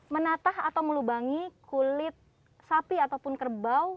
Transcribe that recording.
menatah atau melubangi kulit sapi ataupun kerbau